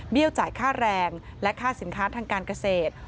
จ่ายค่าแรงและค่าสินค้าทางการเกษตร